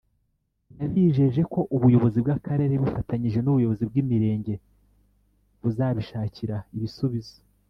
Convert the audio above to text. yabijeje ko ubuyobozi bw’Akarere bufatanyije n’ubuyobozi bw’imirenge buzabishakira ibisubizo